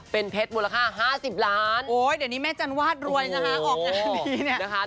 เป็นเพชรมูลค่า๕๐ล้านโอ้ยเดี๋ยวนี้แม่จันวาดรวยนะคะออกงานนี้เนี่ยนะคะ